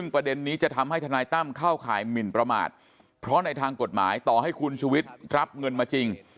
เป็นทางกฎหมายต่อให้คุณชุวิตรับเงินมาจริง